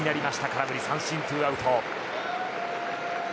空振り三振でツーアウト。